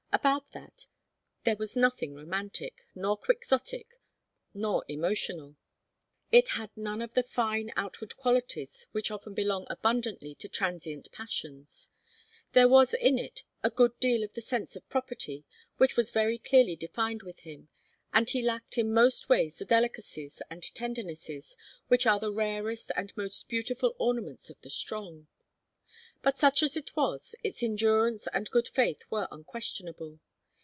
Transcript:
About that, there was nothing romantic, nor Quixotic, nor emotional. It had none of the fine, outward qualities which often belong abundantly to transient passions. There was in it a good deal of the sense of property, which was very clearly defined with him, and he lacked in most ways the delicacies and tendernesses which are the rarest and most beautiful ornaments of the strong. But such as it was, its endurance and good faith were unquestionable.